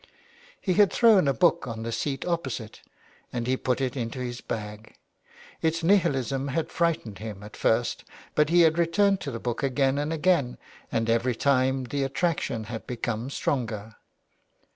He had thrown a book on the seat opposite, and he put it into his bag. Its Nihilism had frightened him at first but he had returned to the book again and again and every time the attraction had become stronger.